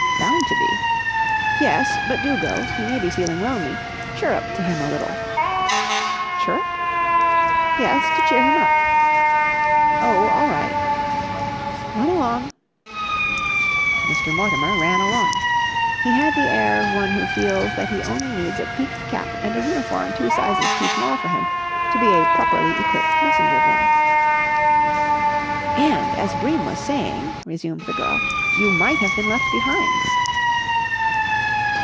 "Bound to be." "Yes. But do go. He may be feeling lonely. Chirrup to him a little." "Chirrup?" "Yes, to cheer him up." "Oh, all right." "Run along!" Mr. Mortimer ran along. He had the air of one who feels that he only needs a peaked cap and a uniform two sizes too small for him to be a properly equipped messenger boy. "And, as Bream was saying," resumed the girl, "you might have been left behind."